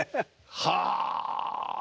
はあ。